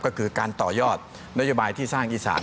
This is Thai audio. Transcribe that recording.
ก็คือการต่อยอดนโยบายที่สร้างอีสาน